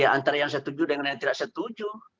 antara yang setuju dengan yang tidak setuju